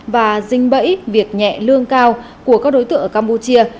và dinh bẫy việc nhẹ lương cao của các đối tượng ở campuchia